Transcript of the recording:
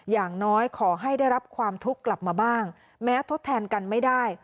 อย่างน้อยขอให้ได้รับความทุกข์กลับมาบ้างแม้ทดแทนกันไม่ได้